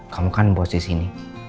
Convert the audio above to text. kamu kan bos di sini